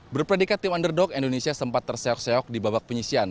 berpredikat tim underdog indonesia sempat terseok seok di babak penyisian